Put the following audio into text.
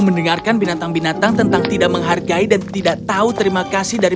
mendengarkan binatang binatang tentang tidak menghargai dan tidak tahu terima kasih dari